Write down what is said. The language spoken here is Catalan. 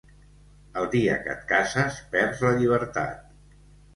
El dia que et cases perds la llibertat.